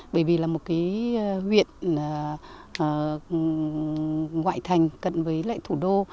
bởi vì là một huyện ngoại thành gần với lại thủ đô